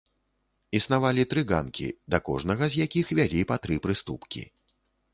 Існавалі тры ганкі, да кожнага з якіх вялі па тры прыступкі.